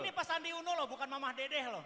ini pak sandi uno loh bukan mama dedeh loh